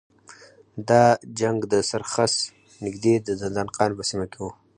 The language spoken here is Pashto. دا جنګ د سرخس نږدې د دندان قان په سیمه کې و.